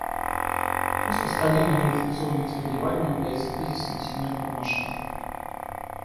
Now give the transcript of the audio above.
Распространение неинфекционных заболеваний является кризисом всемирного масштаба.